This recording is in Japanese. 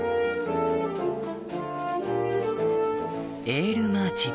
『エール・マーチ』